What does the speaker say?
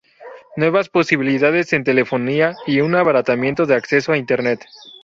Nuevas posibilidades en telefonía y un abaratamiento del acceso a Internet.